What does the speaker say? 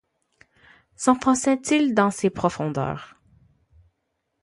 s’enfonçait-il dans ses profondeurs ?